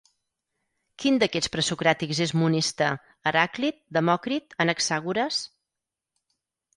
Quin d'aquests presocràtics és monista: Heràclit, Demòcrit, Anaxàgores?